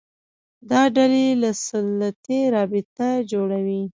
دا ډلې له سلطې رابطه جوړوي